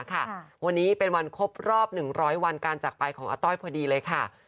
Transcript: วันนี้เป็นวันครบรอบ๑๐๐วันการจักรไปของอาต้อยพอดีเลยค่ะ